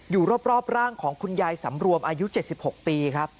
อยู่รอบร่างของคุณยายสำรวมอายุ๗๖ปีครับ